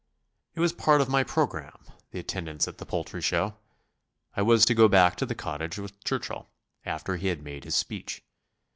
It was part of my programme, the attendance at the poultry show; I was to go back to the cottage with Churchill, after he had made his speech.